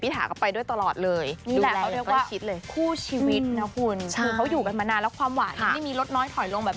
พี่ทาก็ไปด้วยตลอดเลย